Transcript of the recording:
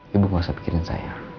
ibu gak usah pikirin saya